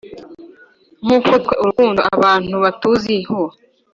nkuko twe urukundo abantu batuziho